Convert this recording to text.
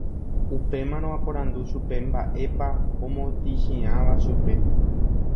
Upémarõ aporandu chupe mba'épa omotĩchiãva chupe